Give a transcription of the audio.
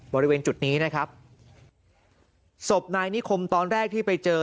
บริเวณจุดนี้นะครับศพนายนิคมตอนแรกที่ไปเจอ